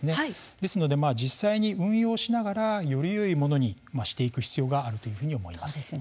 ですので実際に運用しながらよりよいものにしていく必要があるというふうに思います。